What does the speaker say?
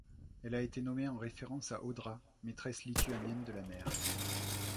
Elle a été nommée en référence à Audra, maîtresse lituanienne de la mer.